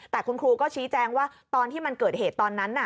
แต่คุณครูก็ชี้แจงว่าตอนที่มันเกิดเหตุตอนนั้น